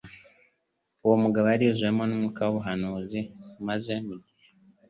Uwo mugabo yari yuzuwemo n'umwuka w'ubuhanuzi; maze mu gihe.